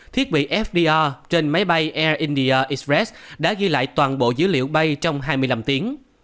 thiết bị fda trên máy bay air india express đã ghi lại toàn bộ dữ liệu bay trong hai mươi năm tiếng